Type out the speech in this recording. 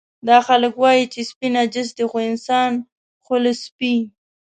دا خلک وایي چې سپي نجس دي، خو انسان خو له سپي.